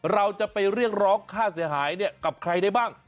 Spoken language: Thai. เราจะไปเรียกร้องค่าเสียหายกับใครได้บ้าง